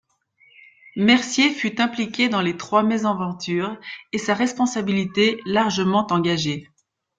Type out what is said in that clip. Mercier fut impliqué dans les trois mésaventures, et sa responsabilité, largement engagée.